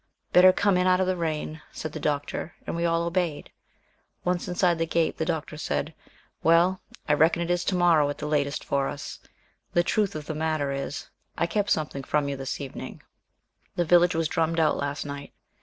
"Better come in out of the rain," said the Doctor, and we obeyed. Once inside the gate the Doctor said, "Well, I reckon it is to morrow at the latest for us. The truth of the matter is: I kept something from you this evening. The village was drummed out last night.